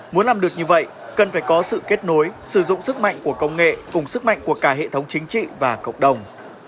muốn làm được như vậy cần phải có sự kết nối sử dụng sức mạnh của công nghệ cùng sức mạnh của cả hệ thống chính trị và cộng đồng